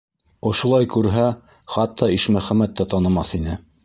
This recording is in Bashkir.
Ошолай күрһә, хатта Ишмөхәмәт тә танымаҫ ине.